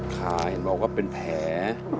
ขาเห็นบอกว่าเป็นแผล